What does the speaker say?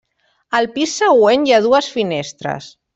Al pis següent hi ha dues finestres.